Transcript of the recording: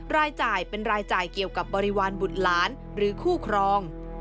รายจ่ายเป็นรายจ่ายเกี่ยวกับบริวารบุตรหลานหรือคู่ครอง